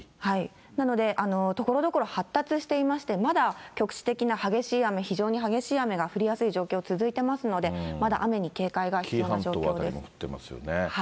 なので、ところどころ発達していまして、まだ局地的な激しい雨、非常に激しい雨が降りやすい状況続いてますので、紀伊半島辺りも降ってますよね。